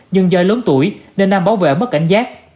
nhưng do lớn tuổi nên nam bảo vệ mất cảnh giác